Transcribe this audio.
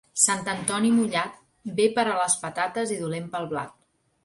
Sant Antoni mullat, bé per a les patates i dolent per al blat.